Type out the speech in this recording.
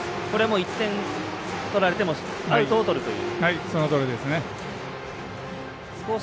１点取られてもアウトをとるという。